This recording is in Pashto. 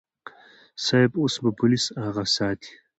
صيب اوس به پوليس اغه ساتي.